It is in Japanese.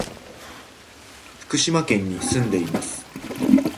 福島県に住んでいます。